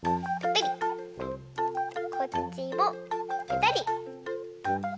こっちもぺたり。